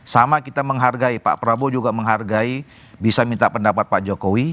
sama kita menghargai pak prabowo juga menghargai bisa minta pendapat pak jokowi